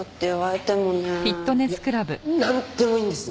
いやなんでもいいんです。